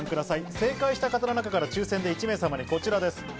正解した方の中から抽選で１名様にこちらです。